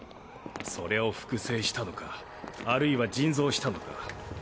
それを複製したのか或いは人造したのか。